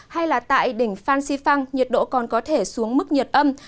hay là tại đỉnh phan xi phăng nhiệt độ còn có thể xuống mức nhiệt âm